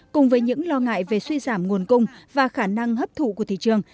cùng với những lo ngại về suy giảm nguồn cung và khả năng hấp thụ của thị trường